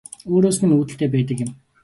Өөрөөс минь үүдэлтэй байдаг юм